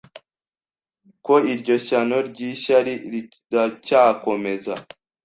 Ko iryo shyano ry'ishyari riracyakomeza